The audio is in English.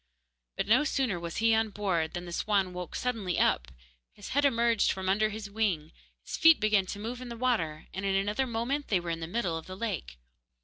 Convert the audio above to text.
But no sooner was he on board than the swan woke suddenly up; his head emerged from under his wing, his feet began to move in the water, and in another moment they were in the middle of the lake.